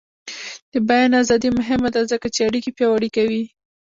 د بیان ازادي مهمه ده ځکه چې اړیکې پیاوړې کوي.